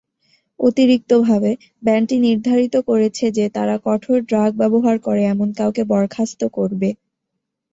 অতিরিক্তভাবে, ব্যান্ডটি নির্ধারিত করেছে যে তারা কঠোর ড্রাগ ব্যবহার করে এমন কাউকে বরখাস্ত করবে।